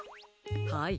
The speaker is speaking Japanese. はい。